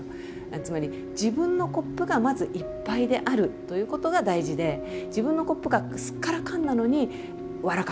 つまり自分のコップがまずいっぱいであるということが大事で自分のコップがすっからかんなのに笑か